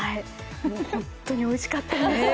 本当においしかったです。